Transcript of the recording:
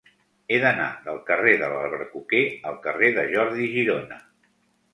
He d'anar del carrer de l'Albercoquer al carrer de Jordi Girona.